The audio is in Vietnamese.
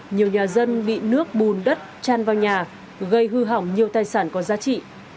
nhiều nhà dân bị nước bùn đất tràn vào nhà gây hư hỏng nhiều tài sản có giá trị